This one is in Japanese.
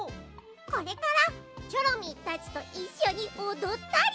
これからチョロミーたちといっしょにおどったり。